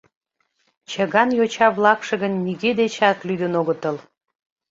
Чыган йоча-влакше гын нигӧ дечат лӱдын огытыл.